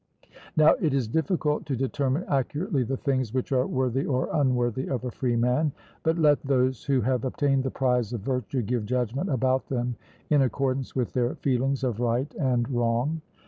Now it is difficult to determine accurately the things which are worthy or unworthy of a freeman, but let those who have obtained the prize of virtue give judgment about them in accordance with their feelings of right and wrong.